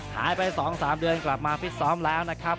หายไป๒๓เดือนกลับมาฟิตซ้อมแล้วนะครับ